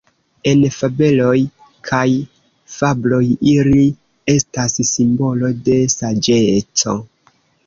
En fabeloj kaj fabloj ili estas simbolo de saĝeco.